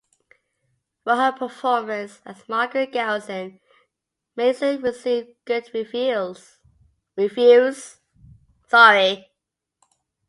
For her performance as Margaret Garrison, Mason received good reviews.